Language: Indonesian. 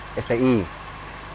kalau soka ada bibit bibit yang sti